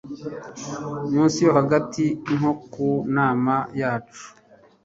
munsi yo hagati nko ku nama yacu